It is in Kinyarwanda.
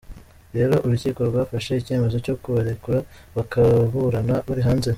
Rero urukiko rwafashe icyemezo cyo kubarekura bakaburana bari hanze.”